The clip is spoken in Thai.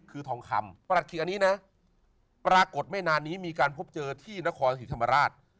คือทองคำประหลัดขีกอันนี้นะปรากฏไม่นานนี้มีการพบเจอที่นครศรีธรรมราช